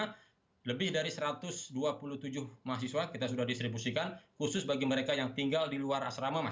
karena lebih dari satu ratus dua puluh tujuh mahasiswa kita sudah distribusikan khusus bagi mereka yang tinggal di luar asrama